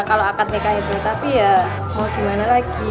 kalau akad nikah itu tapi ya mau gimana lagi